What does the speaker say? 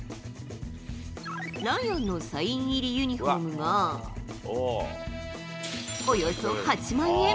ライアンのサイン入りユニホームが、およそ８万円。